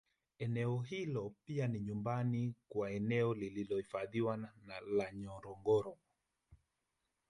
Eneo hilo pia ni nyumbani kwa eneo lililohifadhiwa la Ngorongoro